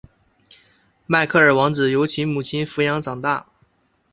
迈克尔王子由其母亲抚养长大。